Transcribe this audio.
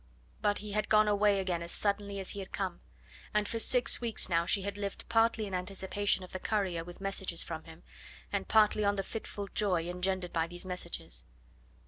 But he had gone away again as suddenly as he had come, and for six weeks now she had lived partly in anticipation of the courier with messages from him, and partly on the fitful joy engendered by these messages.